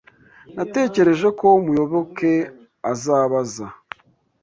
Natekereje ko Muyoboke azabaza.